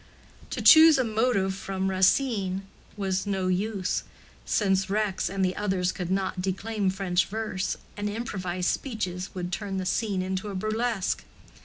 To choose a motive from Racine was of no use, since Rex and the others could not declaim French verse, and improvised speeches would turn the scene into burlesque.